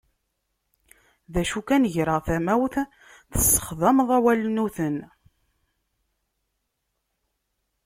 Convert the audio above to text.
D acu kan greɣ tamawt tesxedmeḍ awalnuten.